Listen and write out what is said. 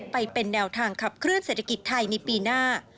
ไปเป็นแนวทางขับเคลื่อเศรษฐกิจไทยในปีหน้า